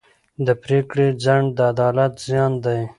د پرېکړې ځنډ د عدالت زیان دی.